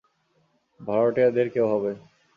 ভাড়াটিয়া দের কেউ হবে।